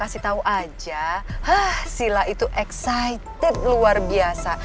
kasih tau aja silla itu excited luar biasa